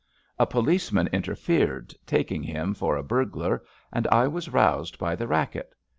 A policeman interfered, taking him for a burglar, and I was roused by the racket.